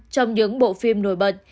trong những bộ phim nổi bật